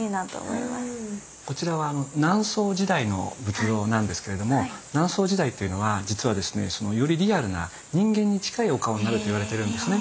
こちらは南宋時代の仏像なんですけれども南宋時代というのは実はですねよりリアルな人間に近いお顔になるといわれてるんですね。